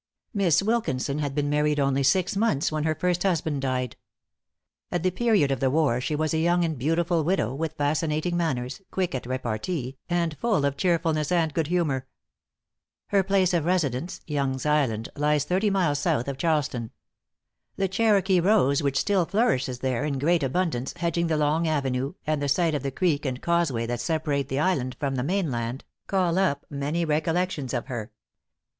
Mis. Wilkinson had been married only six months when her first husband died. At the period of the war, she was a young and beautiful widow, with fascinating manners, quick at repartee, and full of cheerfulness and good humor. Her place of residence, Yonge's Island, lies thirty miles south of Charleston. The Cherokee rose which still flourishes there in great abundance, hedging the long avenue, and the sight of the creek and causeway that separate the island from the mainland, call up many recollections of her.